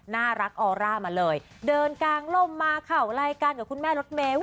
น่ารักออร่ามาเลยเดินกางล่มมาเข่ารายการกับคุณแม่รถเมล